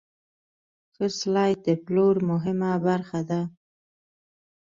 ښه سلیت د پلور مهمه برخه ده.